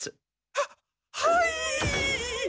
はっはい！